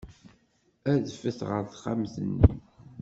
Adfet ɣer texxamt-nni.